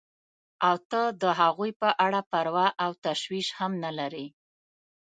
او ته د هغوی په اړه پروا او تشویش هم نه لرې.